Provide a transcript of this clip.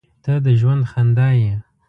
• ته د ژوند خندا یې.